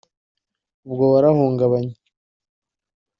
’ubwo warahungabanye